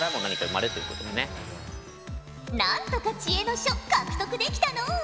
なんとか知恵の書獲得できたのう。